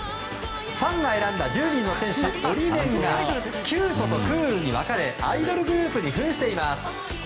ファンが選んだ１０人の選手オリメンがキュートとクールに分かれアイドルグループに扮しています。